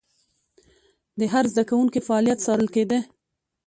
د هر زده کوونکي فعالیت څارل کېده.